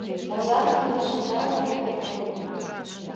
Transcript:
Озан кинде-шинчаллан перкем пу.